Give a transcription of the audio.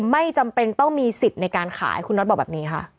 ไม่จำเป็นต้องมีสิทธิ์ในการขายคุณน็อตบอกแบบนี้ค่ะ